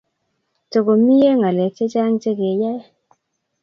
Tokomie ngalek chechang' che keyae